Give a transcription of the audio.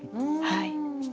はい。